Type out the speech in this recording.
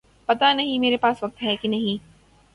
پتا نہیں میرے پاس وقت ہے کہ نہیں